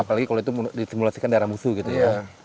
apalagi kalau itu disimulasikan daerah musuh gitu ya